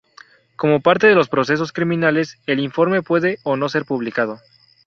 Como parte de los procesos criminales, el informe puede o no ser publicado.